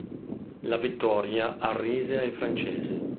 La vittoria arrise ai francesi.